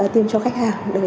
tiêm cho khách hàng